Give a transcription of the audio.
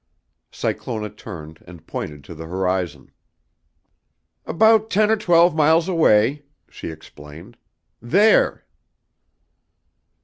Cyclona turned and pointed to the horizon. "About ten or twelve miles away," she explained. "There!"